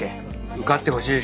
受かってほしい。